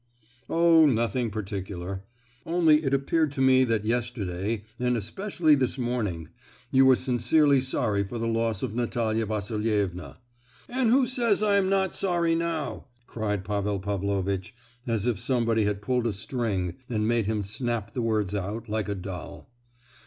"Oh—nothing particular. Only it appeared to me that yesterday, and especially this morning, you were sincerely sorry for the loss of Natalia Vasilievna." "And who says I am not sorry now?" cried Pavel Pavlovitch, as if somebody had pulled a string and made him snap the words out, like a doll.